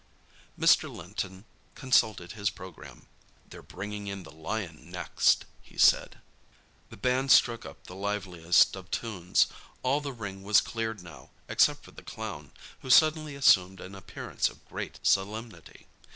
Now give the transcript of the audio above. Mr. Linton consulted his programme. "They're bringing in the lion next," he said. The band struck up the liveliest of tunes. All the ring was cleared now, except for the clown, who suddenly assumed an appearance of great solemnity.